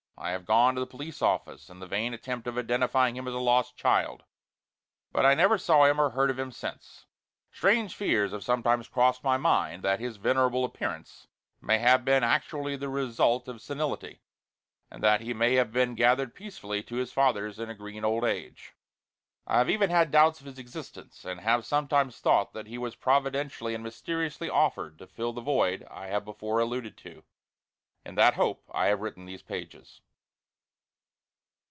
I have gone to the police office in the vain attempt of identifying him as a lost child. But I never saw him or heard of him since. Strange fears have sometimes crossed my mind that his venerable appearance may have been actually the result of senility, and that he may have been gathered peacefully to his fathers in a green old age. I have even had doubts of his existence, and have sometimes thought that he was providentially and mysteriously offered to fill the void I have before alluded to. In that hope I have written these pages.